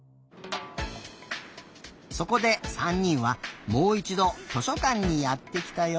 そこで３にんはもういちど図書かんにやってきたよ！